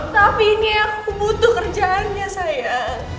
tapi ini aku butuh kerjaannya sayang